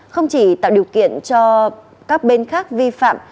không chỉ tạo điều kiện cho các bên khác vi phạm